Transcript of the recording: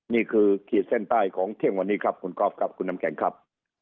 ขีดเส้นใต้ของเที่ยงวันนี้ครับคุณกอล์ฟครับคุณน้ำแข็งครับ